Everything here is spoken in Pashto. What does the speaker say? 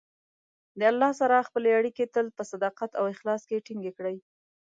د الله سره خپلې اړیکې تل په صداقت او اخلاص کې ټینګې کړئ.